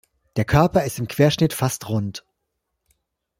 Der Körper ist im Querschnitt fast rund.